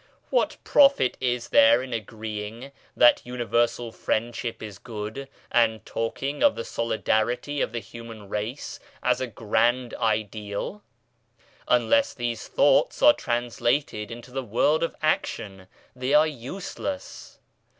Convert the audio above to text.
What profit is there in agreeing that universal friend ship is good, and talking of the Solidarity of the Human Race as a grand ideal ? Unless these thoughts are trans lated into the world of action, they are useless.